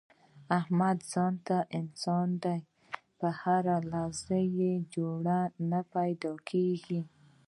احمد ځانته انسان دی، په هر لحاظ یې جوړه نه پیداکېږي.